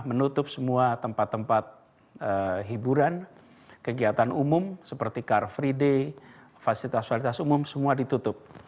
menutup semua tempat tempat hiburan kegiatan umum seperti car free day fasilitas fasilitas umum semua ditutup